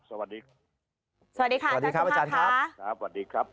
สวัสดีครับอาจารย์ครับ